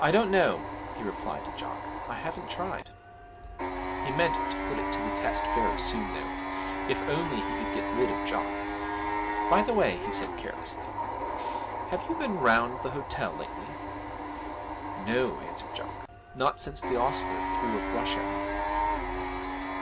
I don't know,' he replied to Jock; 'I haven't tried.' He meant to put it to the test very soon, though if only he could get rid of Jock. 'By the way,' he said carelessly, 'have you been round by the hotel lately?' 'No,' answered Jock, 'not since the ostler threw a brush at me.'